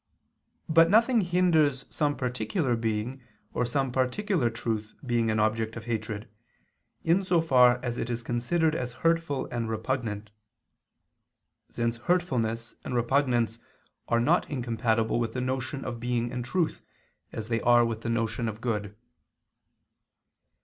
But nothing hinders some particular being or some particular truth being an object of hatred, in so far as it is considered as hurtful and repugnant; since hurtfulness and repugnance are not incompatible with the notion of being and truth, as they are with the notion of good.